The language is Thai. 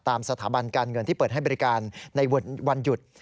ตามสถาบันการเงินที่เปิดให้บริการในวันหยุด